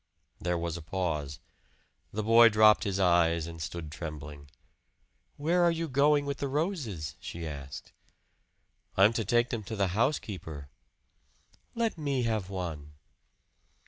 There was a pause; the boy dropped his eyes and stood trembling. "Where are you going with the roses?" she asked. "I'm to take them to the housekeeper." "Let me have one."